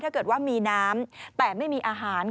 ถ้าเกิดว่ามีน้ำแต่ไม่มีอาหาร